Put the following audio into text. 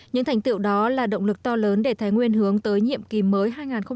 những thành tiệu đó là động lực to lớn để thái nguyên hướng tới nhiệm kỳ mới hai nghìn hai mươi hai nghìn hai mươi năm